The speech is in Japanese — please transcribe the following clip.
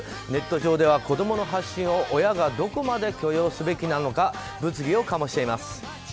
ネット上では子供の発信を親がどこまで許容すべきなのか物議を醸しています。